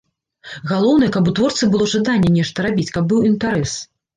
Галоўнае, каб у творцы было жаданне нешта рабіць, каб быў інтарэс.